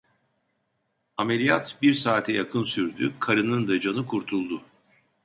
Ameliyat bir saate yakın sürdü, karının da canı kurtuldu.